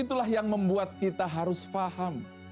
itulah yang membuat kita harus paham